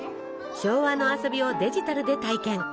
昭和の遊びをデジタルで体験！